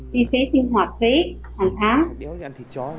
chi phí tiền sử dụng